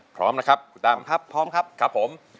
พร้อมนะครับคุณตั้ม